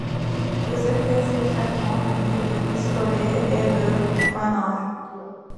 Tous étaient secrètement munis de pistolets et de poignards.